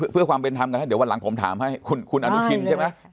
เพื่อความเป็นธรรมกันให้เดี๋ยววันหลังผมถามให้คุณอนุทินใช่ไหม